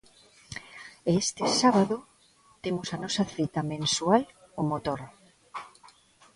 E este sábado temos a nosa cita mensual co motor.